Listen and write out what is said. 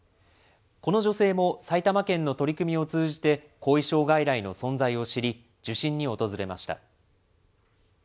この女性も、埼玉県の取り組みを通じて、後遺症外来の存在を知り、受診に訪れました。